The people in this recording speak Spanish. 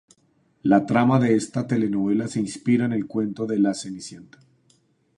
La trama de esta telenovela se inspira en el cuento de "La cenicienta".